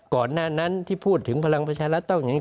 ก่อนหน้านั้นที่พูดถึงพลังประชารัฐต้องอย่างนี้